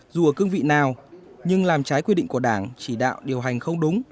dù ở cương vị nào nhưng làm trái quy định của đảng chỉ đạo điều hành không đúng